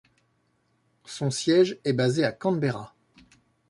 Son siège est basé à Canberra.